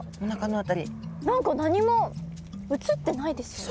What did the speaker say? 何か何もうつってないですよね。